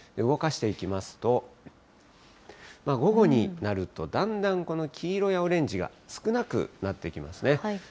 動かしていきますと、午後になると、だんだんこの黄色やオレンジが少なくなってきますね。